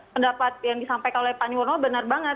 pendapat yang disampaikan oleh pak nirno benar banget